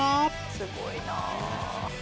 すごいなぁ！